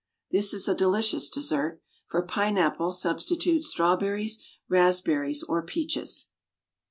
This is a delicious dessert. For pineapple substitute strawberries, raspberries, or peaches.